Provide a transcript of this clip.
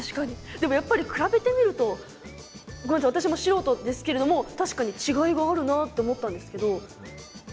でもやっぱり比べてみるとごめんなさい私も素人ですけれども確かに違いがあるなって思ったんですけどどうですか？